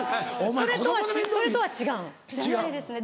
それとは違うの？じゃないですね。